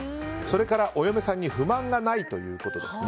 それから、お嫁さんに不満がないということです。